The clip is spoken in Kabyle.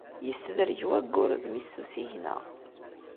Yessedreg wayyur udem-is s usigna.